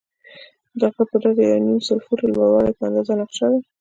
د غره پر ډډه د یو نیم سل فوټه لوړوالی په اندازه نقشه ده.